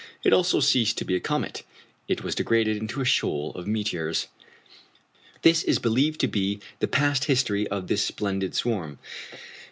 It also ceased to be a comet; it was degraded into a shoal of meteors. This is believed to be the past history of this splendid swarm.